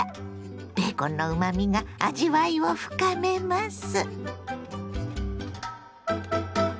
ベーコンのうまみが味わいを深めます。